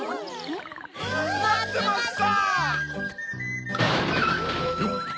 ・まってました！